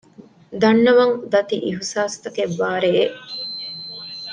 ދަންނަވަން ދަތި އިހުސާސްތަކެއް ވާ ރެއެއް